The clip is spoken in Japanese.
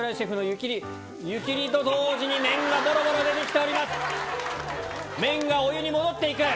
湯切りと同時に麺がボロボロ出て来ております。